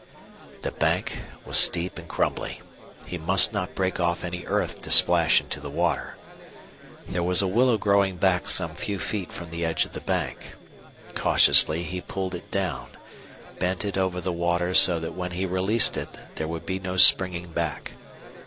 The bank was steep and crumbly. He must not break off any earth to splash into the water. There was a willow growing back some few feet from the edge of the bank. Cautiously he pulled it down, bent it over the water so that when he released it there would be no springing back.